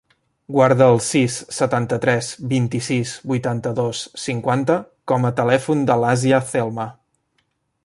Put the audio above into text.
Guarda el sis, setanta-tres, vint-i-sis, vuitanta-dos, cinquanta com a telèfon de l'Asia Celma.